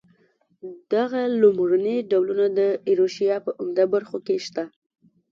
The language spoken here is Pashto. دغه لومړني ډولونه د ایروشیا په عمده برخو کې شته.